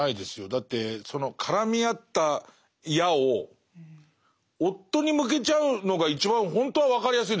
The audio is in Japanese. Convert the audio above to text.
だってその絡み合った矢を夫に向けちゃうのが一番本当は分かりやすいんだよ。